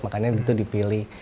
makanya gitu dipilih